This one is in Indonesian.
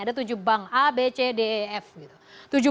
ada tujuh bank a b c d ef gitu